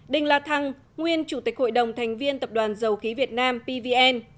đinh la thăng nguyên chủ tịch hội đồng thành viên tập đoàn dầu khí việt nam pvn